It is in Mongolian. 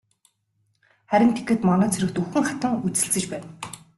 Харин тэгэхэд манай цэргүүд үхэн хатан үзэлцэж байна.